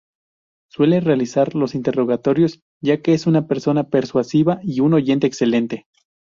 Suele realizar los interrogatorios, ya que es una persona persuasiva y un oyente excelente.